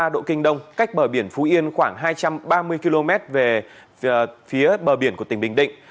một trăm một mươi một ba độ kinh đông cách bờ biển phú yên khoảng hai trăm ba mươi km về phía bờ biển của tỉnh bình định